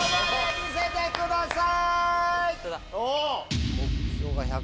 見せてください！